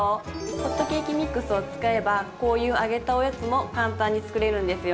ホットケーキミックスを使えばこういう揚げたおやつも簡単に作れるんですよ。